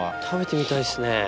食べてみたいですね。